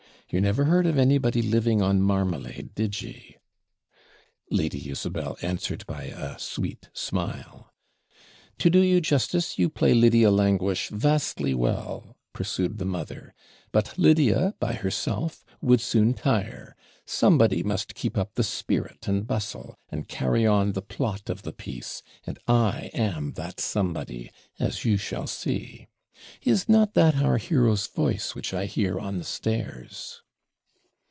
You never heard of anybody living on marmalade, did ye?' Lady Isabel answered by a sweet smile. 'To do you justice, you play Lydia Languish vastly well,' pursued the mother; 'but Lydia, by herself, would soon tire; somebody must keep up the spirit and bustle, and carry on the plot of the piece; and I am that somebody as you shall see. Is not that our hero's voice, which I hear on the stairs?'